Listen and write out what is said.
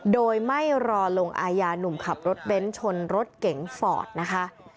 โดยไม่รอลงอายานุ่มขับรถเบนท์ชนรถเก๋งฟอร์ต